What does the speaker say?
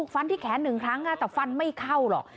ฟันที่แขน๑ครั้งแต่ฟันไม่เข้าหรอก